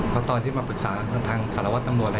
เพราะตอนที่มาปรึกษาทางสารวัตรตำรวจ